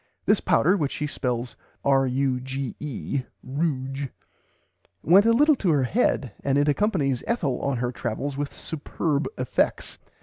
This powder, which she spells "ruge," went a little to her head, and it accompanies Ethel on her travels with superb effect.